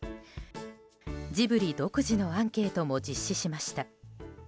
ジブリ独自のアンケートも実施しました。